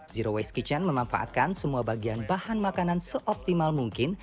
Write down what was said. zero waste kitchen memanfaatkan semua bagian bahan makanan seoptimal mungkin